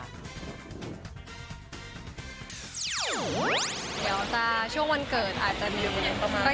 เดี๋ยวจะช่วงวันเกิดอาจจะมีอยู่ประมาณ